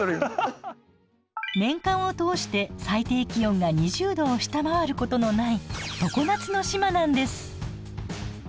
年間を通して最低気温が２０度を下回ることのない常夏の島なんです。